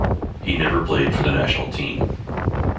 He never played for the national team.